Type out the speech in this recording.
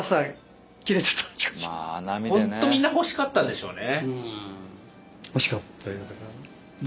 ホントみんな欲しかったんでしょうね。